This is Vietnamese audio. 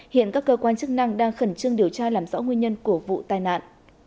hiện các cơ quan chức năng đang khẩn trương điều tra làm rõ nguyên nhân của vụ tai nạn